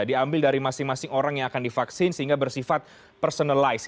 diambil dari masing masing orang yang akan divaksin sehingga bersifat personalize